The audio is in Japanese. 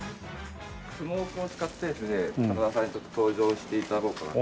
スモークを使ってですね高田さんにちょっと登場して頂こうかなと。